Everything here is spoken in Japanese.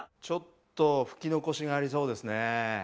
ちょっと拭き残しがありそうですね。